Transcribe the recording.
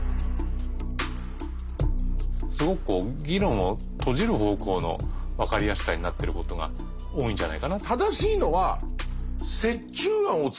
すごくこう議論を閉じる方向の「わかりやすさ」になってることが多いんじゃないかな。